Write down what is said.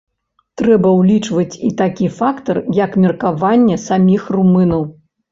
Трэба ўлічваць і такі фактар, як меркаванне саміх румынаў.